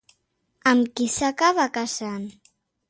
Amb qui s'acaba casant?